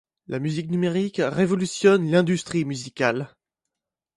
La musique numérique révolutionne l’industrie musicale.